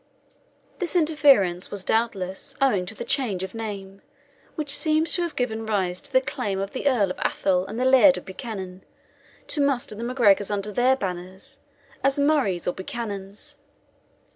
This interference was, doubtless, owing to the change of name, which seems to have given rise to the claim of the Earl of Athole and the Laird of Buchanan to muster the MacGregors under their banners, as Murrays or Buchanans.